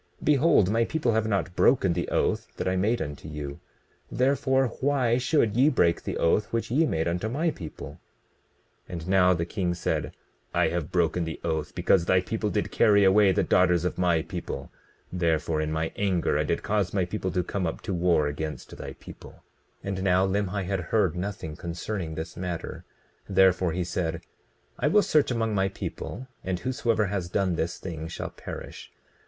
Behold, my people have not broken the oath that I made unto you; therefore, why should ye break the oath which ye made unto my people? 20:15 And now the king said: I have broken the oath because thy people did carry away the daughters of my people; therefore, in my anger I did cause my people to come up to war against thy people. 20:16 And now Limhi had heard nothing concerning this matter; therefore he said: I will search among my people and whosoever has done this thing shall perish.